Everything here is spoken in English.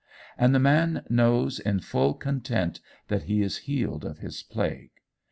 And the man knows in full content that he is healed of his plague.